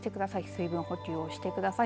水分補給をしてください。